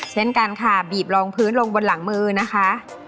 เช่นกันค่ะบีบรองพื้นลงบนหลังมือนะคะ